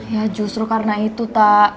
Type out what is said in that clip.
ya justru karena itu tak